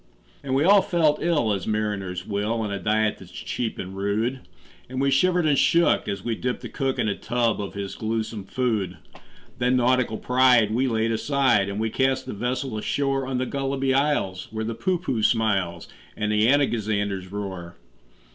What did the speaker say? And we all felt ill as mariners will, On a diet that's cheap and rude; And we shivered and shook as we dipped the cook In a tub of his gluesome food. Then nautical pride we laid aside, And we cast the vessel ashore On the Gulliby Isles, where the Poohpooh smiles, And the Anagazanders roar.